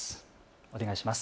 お願いします。